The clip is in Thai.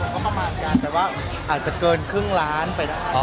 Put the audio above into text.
ก็ประมาณการแบบว่าอาจจะเกินครึ่งล้านไปได้